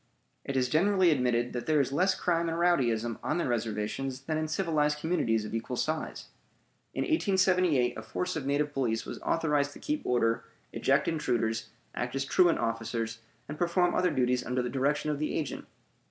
It is generally admitted that there is less crime and rowdyism on the reservations than in civilized communities of equal size. In 1878 a force of native police was authorized to keep order, eject intruders, act as truant officers, and perform other duties under the direction of the agent.